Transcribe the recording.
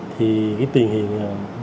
thì tình hình